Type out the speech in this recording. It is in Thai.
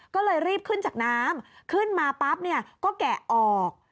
ก็เลยรีบขึ้นจากน้ำขึ้นมาปั๊บเนี่ยก็แกะออก